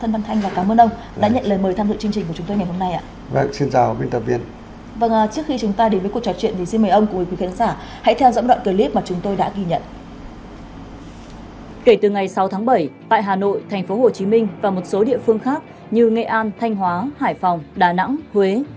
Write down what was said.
vâng xin chào ông thân văn thanh và cảm ơn ông đã nhận lời mời tham dự chương trình của chúng tôi ngày hôm nay